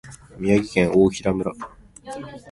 宮城県大衡村